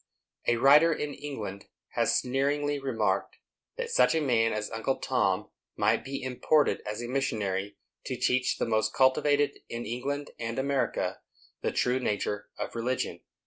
A writer in England has sneeringly remarked that such a man as Uncle Tom might be imported as a missionary to teach the most cultivated in England or America the true nature of religion.